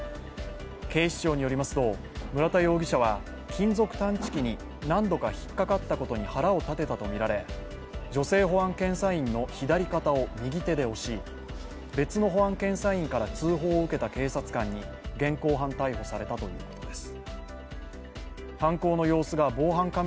警視庁によりますと、村田容疑者は金属探知機に何度か引っ掛かったことに腹を立てたとみられ女性保安検査員の左肩を右手で押し別の保安検査員から通報を受けた警察官に現行犯逮捕されたということです。